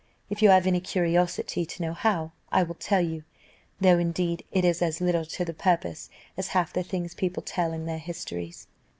If you have any curiosity to know how, I will tell you, though indeed it is as little to the purpose as half the things people tell in their histories.